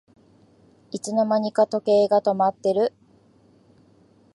いつの間にか時計が止まってる